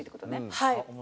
はい。